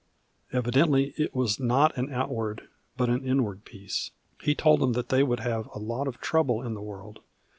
Evidently it was not an outward but an inward peace. He told them that they would have a lot of trouble in the world.